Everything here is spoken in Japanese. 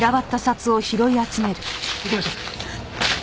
行きましょう。